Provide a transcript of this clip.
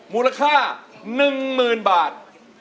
มูลค่า๑๐๐๐บาท